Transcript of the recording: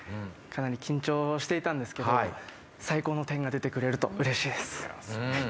かなり緊張していたんですけど最高の点が出てくれるとうれしいです。